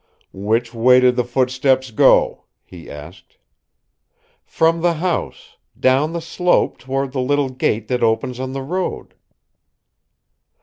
"Which way did the footsteps go?" he asked. "From the house down the slope, toward the little gate that opens on the road."